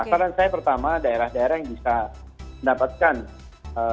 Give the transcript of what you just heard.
asalan saya pertama daerah daerah yang bisa mendapatkan eee